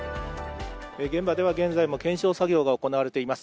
現場では現在も検証作業が行われています。